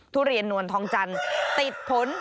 ทุเรียนนวลทองจันทร์ติดผล